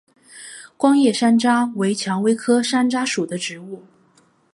光叶山楂为蔷薇科山楂属的植物。